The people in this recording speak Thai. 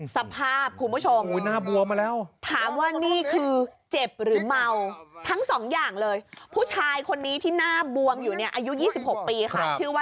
สภาพคุณผู้ชมหน้าบวมมาแล้วถามว่านี่คือเจ็บหรือเมาทั้งสองอย่างเลยผู้ชายคนนี้ที่หน้าบวมอยู่เนี่ยอายุ๒๖ปีค่ะชื่อว่า